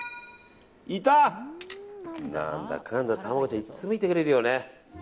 何だかんだ、卵ちゃんいつもいてくれるよね。